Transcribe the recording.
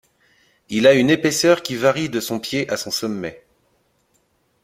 Il a une épaisseur qui varie de à son pied à à son sommet.